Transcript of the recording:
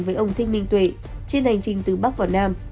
với ông thích minh tuệ trên hành trình từ bắc vào nam